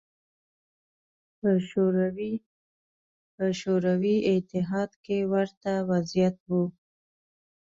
په شوروي اتحاد کې ورته وضعیت و